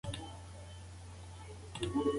پخوا به یې د تاریخ فلسفه بلله.